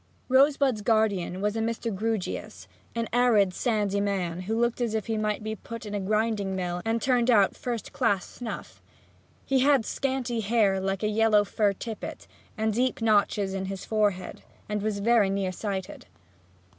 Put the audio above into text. Rosebud's guardian was a Mr. Grewgious, an arid, sandy man who looked as if he might be put in a grinding mill and turned out first class snuff. He had scanty hair like a yellow fur tippet, and deep notches in his forehead, and was very near sighted.